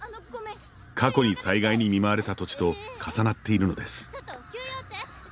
過去に災害に見舞われた土地と重なっているのです。